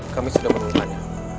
kami sudah menemani